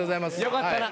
よかったな。